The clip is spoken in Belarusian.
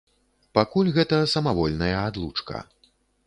Пакуль гэта самавольная адлучка.